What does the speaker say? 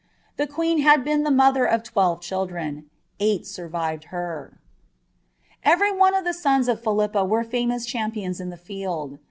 The queen had been the mother twelve children ; eight survived her. Every one of the sons of Philippa were famous champions in the Id.